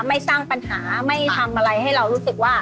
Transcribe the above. ไม่สร้างปัญหาไม่ทำอะไรให้เรารู้สึกว่า